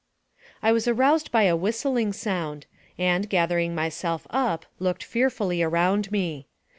I was aroused by a whistling sound, and, gathering myself up, looked fearfully around me.